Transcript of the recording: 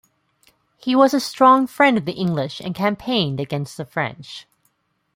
He was a strong friend of the English and campaigned against the French.